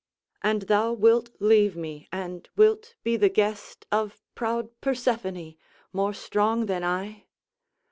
And thou wilt leave me, and wilt be the guest Of proud Persephone, more strong than I?